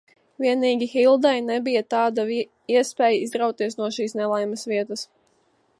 Vienīgi Hildai nebija tāda iespēja izrauties no šīs nelaimes vietas.